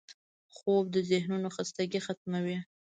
خوب د ذهنو خستګي ختموي